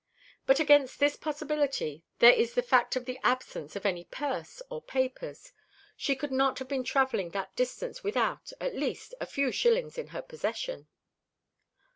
But against this possibility there is the fact of the absence of any purse or papers. She could not have been travelling that distance without, at least, a few shillings in her possession."